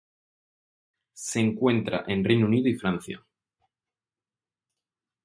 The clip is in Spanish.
Se encuentra en Reino Unido y Francia.